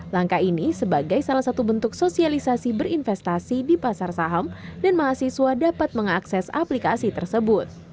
langkah ini sebagai salah satu bentuk sosialisasi berinvestasi di pasar saham dan mahasiswa dapat mengakses aplikasi tersebut